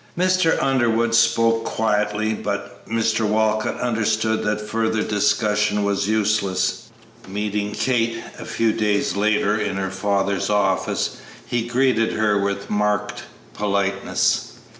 Mr. Underwood spoke quietly, but Walcott understood that further discussion was useless. Meeting Kate a few days later in her father's office, he greeted her with marked politeness.